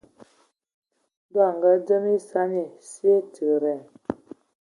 Ndɔ a ngadzem esani, sie tigedan.